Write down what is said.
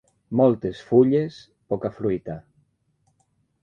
Moltes fulles, poca fruita.